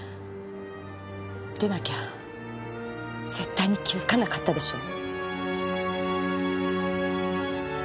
でなきゃ絶対に気づかなかったでしょ？